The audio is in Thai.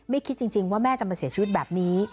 คิดจริงว่าแม่จะมาเสียชีวิตแบบนี้